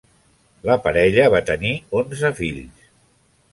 La parella va tenir onze fills.